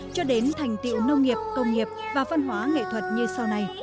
chưa đến thành tựu nông nghiệp công nghiệp và văn hóa nghệ thuật như sau này